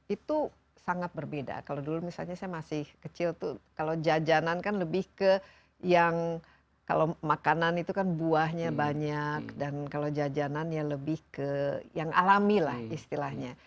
itu sangat berbeda kalau dulu misalnya saya masih kecil tuh kalau jajanan kan lebih ke yang kalau makanan itu kan buahnya banyak dan kalau jajanan ya lebih ke yang alami lah istilahnya